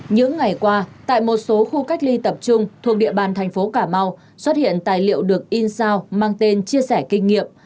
những ngày qua tại một số khu cách ly tập trung thuộc địa bàn thành phố cà mau xuất hiện tài liệu được in sao mang tên chia sẻ kinh nghiệm